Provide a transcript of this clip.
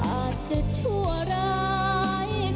อาจจะชั่วร้าย